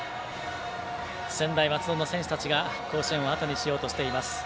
専大松戸の選手たちが甲子園をあとにしようとしています。